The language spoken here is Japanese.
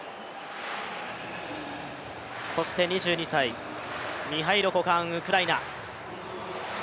そして２２歳、ミハイロ・コカーン、ウクライナ。